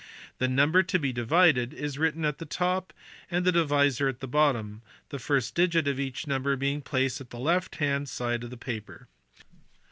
The number to be divided is written at the top and the divisor at the bottom ; the first digit of each number being placed at the left hand side of the paper.